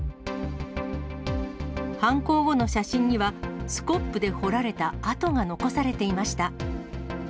犯行後の写真には、スコップで掘られた跡が残されていました。